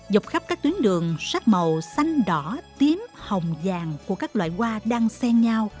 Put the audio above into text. dọc khắp các tuyến đường sắc màu xanh đỏ tím hồng vàng của các loại hoa đang sen nhau